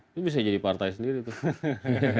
itu bisa jadi partai sendiri tuh